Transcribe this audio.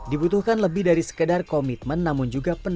dibutuhkan lebih dari sekedar komitmen namun juga penurunan